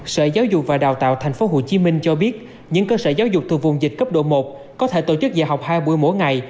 sở giáo dục và đào tạo tp hcm cho biết những cơ sở giáo dục thuộc vùng dịch cấp độ một có thể tổ chức dạy học hai buổi mỗi ngày